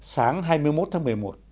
sáng hai mươi một tháng một mươi một